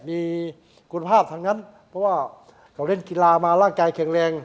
มีคุณภาพทั้งนั้นเพราะว่าเขาเล่นกีฬามาร่างกายแข็งแรง